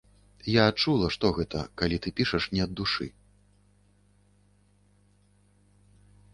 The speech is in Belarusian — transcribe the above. Я адчула, што гэта, калі ты пішаш не ад душы.